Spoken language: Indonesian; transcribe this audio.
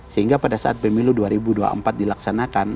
sehingga pada saat pemilu dua ribu dua puluh empat dilaksanakan